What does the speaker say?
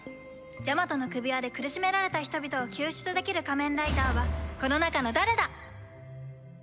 ジャマトの首輪で苦しめられた人々を救出できる仮面ライダーはこの中の誰だ？